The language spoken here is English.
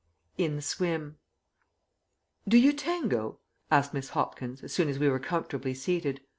IN THE SWIM "Do you tango?" asked Miss Hopkins, as soon as we were comfortably seated.